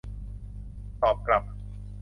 ตอบกลับ